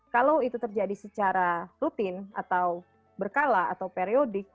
kalau itu terjadi secara rutin atau berkala atau periodik